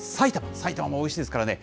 埼玉もおいしいですからね。